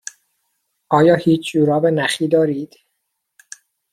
آیا هیچ جوراب نخی دارید؟